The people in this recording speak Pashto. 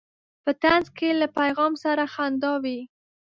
په طنز کې له پیغام سره خندا وي.